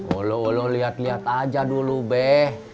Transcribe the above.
wlo wlo liat liat aja dulu beh